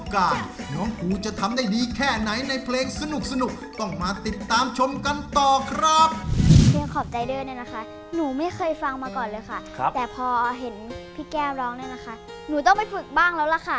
๕กล่อขอบได้เรียูมีเห็นพี่แก้มร้องหนุ่มต้องไปฝึกบ้างแล้วล่ะค่ะ